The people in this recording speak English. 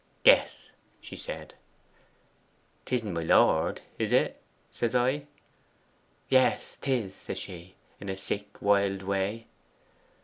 '"Guess," she said. '"'Tisn't my lord, is it?" says I. '"Yes, 'tis," says she, in a sick wild way.